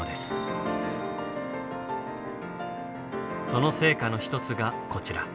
その成果の一つがこちら。